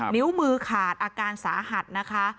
นิ้วมือขาดอาการสาหัสนะคะ